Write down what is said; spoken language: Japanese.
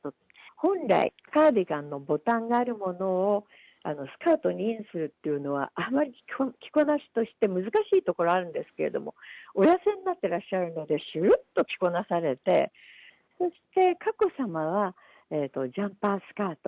本来、カーディガンのボタンがあるものをスカートにインするっていうのは、あまり着こなしとして難しいところあるんですけども、お痩せになってらっしゃるので、しゅっと着こなされて、そして佳子さまは、ジャンパースカート。